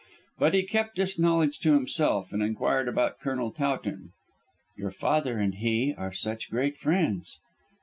But he kept this knowledge to himself, and inquired about Colonel Towton. "Your father and he are such great friends."